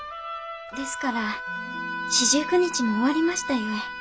ですから四十九日も終わりましたゆえ。